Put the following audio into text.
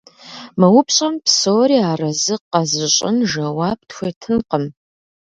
Мы упщӀэм псори арэзы къэзыщӀын жэуап тхуетынкъым.